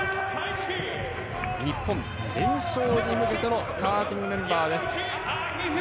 日本、連勝に向けてのスターティングメンバーです。